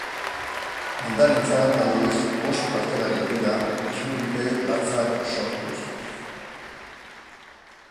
Landareentzat, aldiz, oso kaltegarriak dira, izurrite latzak sortuz.